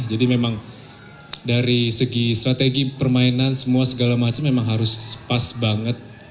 jadi memang dari segi strategi permainan semua segala macam memang harus pas banget